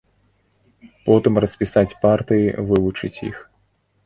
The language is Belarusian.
Потым распісаць партыі, вывучыць іх.